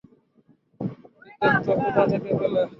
এই তথ্য কোত্থেকে পেলে?